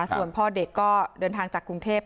ส่วนพ่อเด็กก็เดินทางจากกรุงเทพ